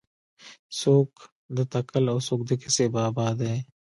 څوک د تکل او څوک د کیسې بابا دی.